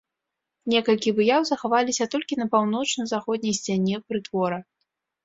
Некалькі выяў захаваліся толькі на паўночна-заходняй сцяне прытвора.